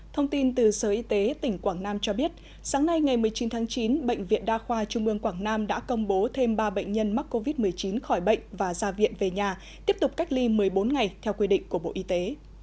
thông tin từ sở y tế tỉnh quảng nam cho biết sáng nay ngày một mươi chín tháng chín bệnh viện đa khoa trung ương quảng nam đã công bố thêm ba bệnh nhân mắc covid một mươi chín khỏi bệnh và ra viện về nhà tiếp tục cách ly một mươi bốn ngày theo quy định của bộ y tế